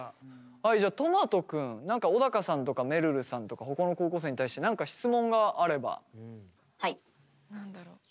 はいじゃあとまと君何か小高さんとかめるるさんとかほかの高校生に対して何か質問があれば。